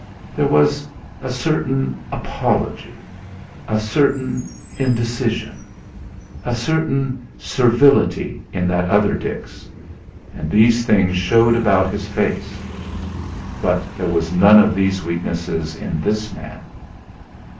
There was a certain apology, a certain indecision, a certain servility in that other Dix, and these things showed about his face. But there was none of these weaknesses in this man.